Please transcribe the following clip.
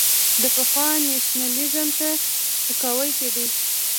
پخوا نېشنلېزم ته سپکاوی کېده.